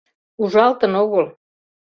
— Ужалтын огыл.